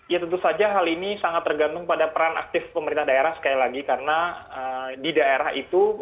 ya tentu saja hal ini sangat tergantung pada peran aktif pemerintah daerah sekali lagi karena di daerah itu